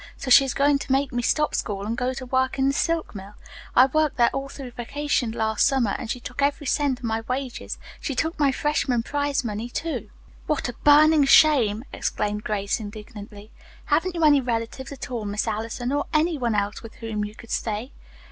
So she is going to make me stop school and go to work in the silk mill. I worked there all through vacation last summer, and she took every cent of my wages. She took my freshman prize money, too." "What a burning shame!" exclaimed Grace indignantly. "Haven't you any relatives at all, Miss Allison, or any one else with whom you could stay?"